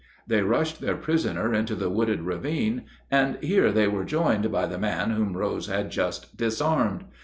They rushed their prisoner into the wooded ravine, and here they were joined by the man whom Rose had just disarmed.